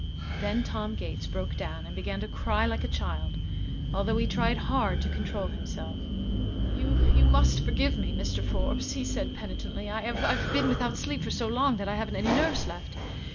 Then Tom Gates broke down and began to cry like a child, although he tried hard to control himself. "You you must forgive me, Mr. Forbes," he said, penitently; "I I've been without sleep for so long that I haven't any nerves left."